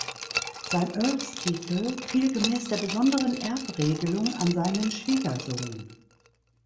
Sein Earlstitel fiel gemäß der besonderen Erbregelung an seinen Schwiegersohn.